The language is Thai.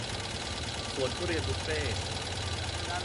สวนทุเรียนบุฟเฟ่ต์